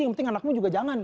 yang penting anakmu juga jangan